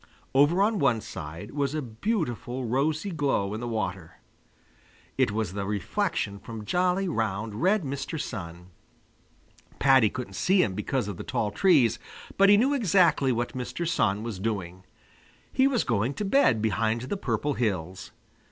Over on one side was a beautiful rosy glow in the water. It was the reflection from jolly, round, red Mr. Sun. Paddy couldn't see him because of the tall trees, but he knew exactly what Mr. Sun was doing. He was going to bed behind the Purple Hills.